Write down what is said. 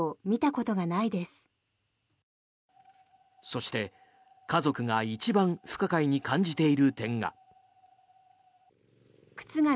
そして、家族が一番不可解に感じている点が。